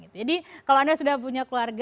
jadi kalau anda sudah punya keluarga